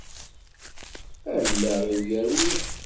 Allaɣ-is yerwi.